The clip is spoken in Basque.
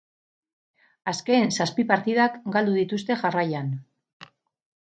Azken zazpi partidak galdu dituzte jarraian.